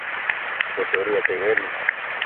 ก๋วยเตี๋ยวเรือเซเว่น